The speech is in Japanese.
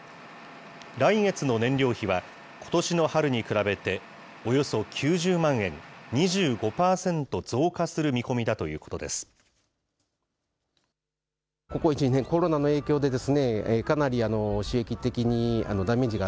来月の燃料費は、ことしの春に比べておよそ９０万円、２５％増加する見込みだということです。